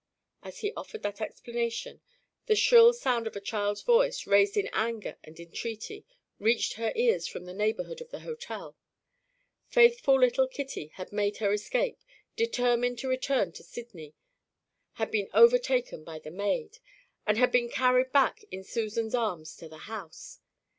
As he offered that explanation, the shrill sound of a child's voice, raised in anger and entreaty, reached their ears from the neighborhood of the hotel. Faithful little Kitty had made her escape, determined to return to Sydney had been overtaken by the maid and had been carried back in Susan's arms to the house.